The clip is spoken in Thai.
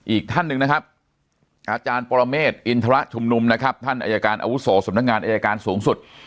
อีกท่านหนึ่งนะครับอาจารย์ปรเมฆอินทรชุมนุมนะครับท่านอายการอาวุโสสำนักงานอายการสูงสุด